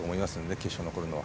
決勝に残るのは。